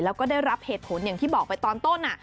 แล้วก็ได้รับเหตุผลอย่างที่บอกไปตอนต้น